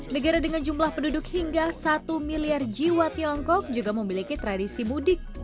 negara dengan jumlah penduduk hingga satu miliar jiwa tiongkok juga memiliki tradisi mudik